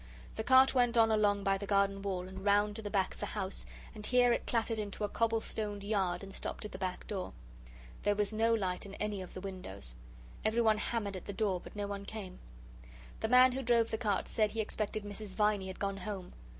The cart went on along by the garden wall, and round to the back of the house, and here it clattered into a cobble stoned yard and stopped at the back door. There was no light in any of the windows. Everyone hammered at the door, but no one came. The man who drove the cart said he expected Mrs. Viney had gone home.